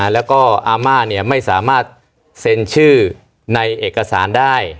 แล้วก็อาม่าไม่สามารถเซ็นชื่อในเอกสารได้